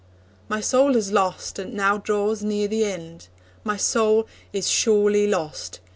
'My soul is lost, and now draws near the end. My soul is surely lost.